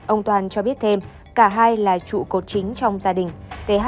ông toàn cho biết thêm cả hai là trụ cột chính trong gia đình